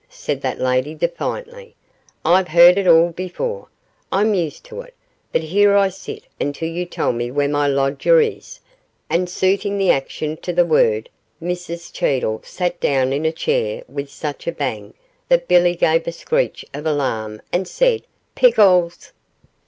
said that lady defiantly; 'I've heard it all before; I'm used to it; but here I sit until you tell me where my lodger is;' and suiting the action to the word, Mrs Cheedle sat down in a chair with such a bang that Billy gave a screech of alarm and said, 'Pickles!